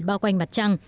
bao quanh mặt trăng